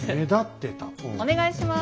お願いします。